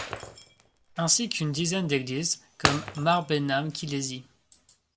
Ainsi qu'une dizaine d'églises comme Mar Behnam Kilesi.